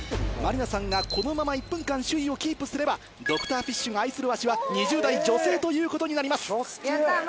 真里奈さんがこのまま１分間首位をキープすればドクターフィッシュが愛する足は２０代女性ということになります。